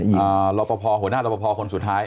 หัวหน้าลอปพอร์หัวหน้าลอปพอร์คนสุดท้าย